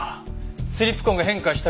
スリップ痕が変化した